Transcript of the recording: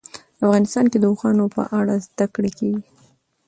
افغانستان کې د اوښانو په اړه زده کړه کېږي.